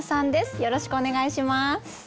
よろしくお願いします。